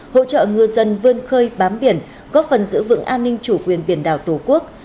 hỗ trợ ngư dân vươn khơi bám biển góp phần giữ vững an ninh chủ quyền biển đảo tổ quốc